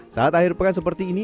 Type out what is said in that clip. saat akhir pekan seperti ini